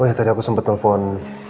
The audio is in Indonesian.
oh ya tadi aku sempat nelfon